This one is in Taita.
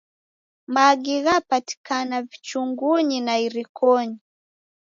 Magi ghapatikana vichungunyi na irikonyi.